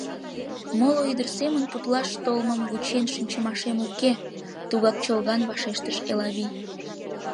— Моло ӱдыр семын путлаш толмым вучен шинчымашем уке! — тугак чолган вашештыш Элавий.